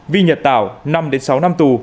vi nhật tảo năm sáu năm tù